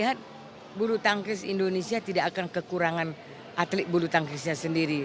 saya lihat bulu tangkis indonesia tidak akan kekurangan atlet bulu tangkisnya sendiri